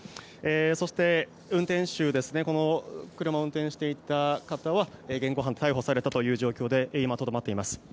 そして、この車を運転していた方は現行犯逮捕された状況でとどまっています。